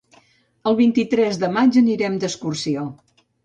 El vint-i-tres de maig anirem d'excursió.